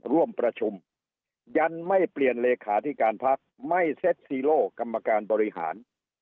ร่วมประชุมยันไม่เปลี่ยนเลขาธิการพักไม่เซ็ตซีโร่กรรมการบริหาร